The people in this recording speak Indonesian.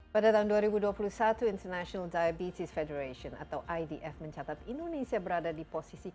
pada tahun dua ribu dua puluh satu international diabetes federation atau idf mencatat indonesia berada di posisi ke enam